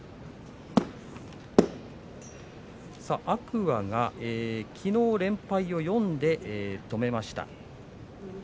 天空海が、きのう連敗を４で止めました。